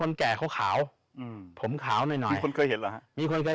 รณภาพปรวยกันเลย